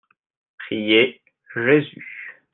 Prier Jésus.